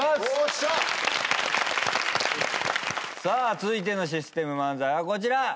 さあ続いてのシステム漫才はこちら。